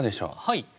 はい。